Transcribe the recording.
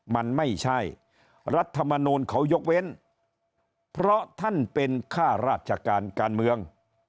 มันไม่ใช่รัฐมนูลเขายกเว้นเพราะท่านเป็นข้าราชการการเมือง